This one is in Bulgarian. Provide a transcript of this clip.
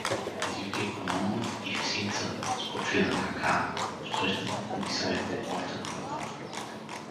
Извика Икономов и всинца, скочили на крака, посрещнахме комисарите още на вратата.